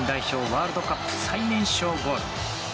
ワールドカップ最年少ゴール。